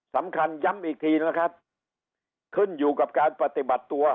สำคัญย้ำอีกทีนะครับขึ้นอยู่กับการปฏิบัติตัว